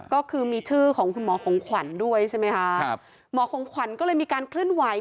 ก็คือมีชื่อของคุณหมอของขวัญด้วยใช่ไหมคะครับหมอของขวัญก็เลยมีการเคลื่อนไหว